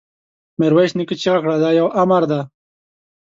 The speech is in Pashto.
ميرويس نيکه چيغه کړه! دا يو امر دی!